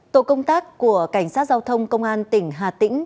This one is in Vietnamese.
tổ công tác của cảnh sát giao thông công an tỉnh hà tĩnh